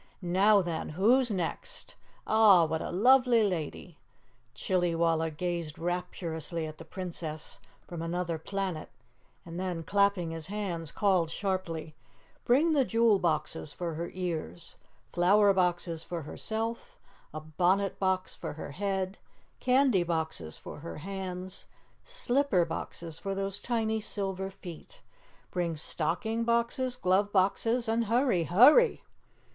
"Now, then, who's next? Ah! What a lovely lady!" Chillywalla gazed rapturously at the Princess from Anuther Planet, then clapping his hands, called sharply: "Bring the jewel boxes for her ears, flower boxes for herself, a bonnet box for her head, candy boxes for her hands, slipper boxes for those tiny silver feet. Bring stocking boxes, glove boxes, and hurry! HURRY!"